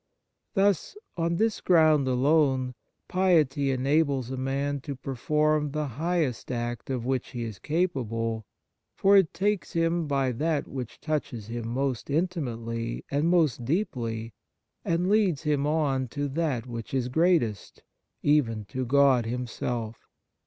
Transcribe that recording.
Thus, on this ground alone, piety 19 On Piety enables a man to perform the highest act of which he is capable, for it takes him by that which touches him most intimately and most deeply, and leads him on to that which is greatest — even to God Himself.